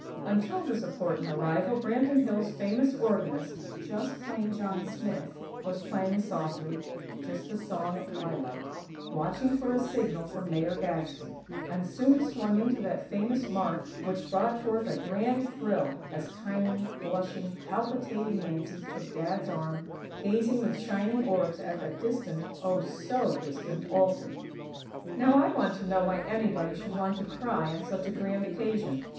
Until this important arrival, Branton Hills' famous organist, just plain John Smith, was playing softly, "Just a Song at Twilight," watching for a signal from Mayor Gadsby; and soon swung into that famous march which brought forth a grand thrill, as tiny, blushing, palpitating Nancy took "Dad's" arm, gazing with shining orbs at that distant oh, so distant altar. Now I want to know why anybody should want to cry on such a grand occasion.